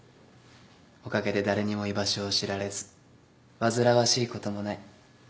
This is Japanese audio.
おかげで誰にも居場所を知られず煩わしいこともない。